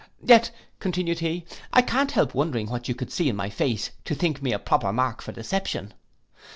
'Yet,' continued he, 'I can't help wondering at what you could see in my face, to think me a proper mark for deception.